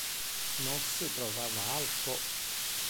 Nos trovava alco.